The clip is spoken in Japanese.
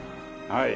はい。